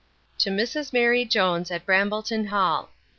To Mrs MARY JONES, at Brambleton hall.